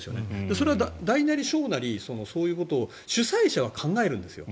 それは大なり小なりそういうことを主催者は考えるんですよ。